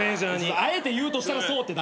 あえて言うとしたらそう。